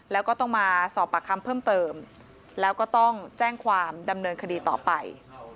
แล้วก็ต้องมาสอบปากคำเพิ่มเติมแล้วก็ต้องแจ้งความดำเนินคดีต่อไป